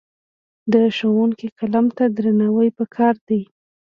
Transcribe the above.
د ښوونکي قلم ته درناوی پکار دی.